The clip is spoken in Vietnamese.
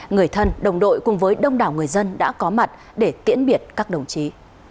người thân đồng đội cùng với đông đảo người dân đã có mặt để tiễn biệt các đồng chí